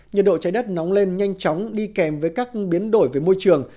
nhiệt độ trái đất nóng lên nhanh chóng đi kèm với các biến đổi về môi trường